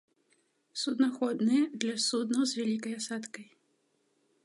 Суднаходная для суднаў з вялікай асадкай.